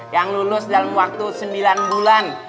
yang lulus dalam waktu sembilan bulan